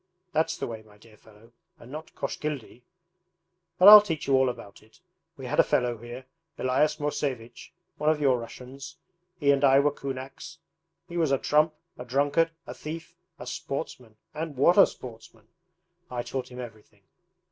That's the way, my dear fellow, and not "Koshkildy." But I'll teach you all about it. We had a fellow here, Elias Mosevich, one of your Russians, he and I were kunaks. He was a trump, a drunkard, a thief, a sportsman and what a sportsman! I taught him everything.'